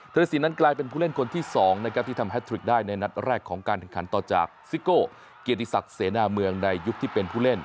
รสินนั้นกลายเป็นผู้เล่นคนที่๒นะครับที่ทำแททริกได้ในนัดแรกของการแข่งขันต่อจากซิโก้เกียรติศักดิ์เสนาเมืองในยุคที่เป็นผู้เล่น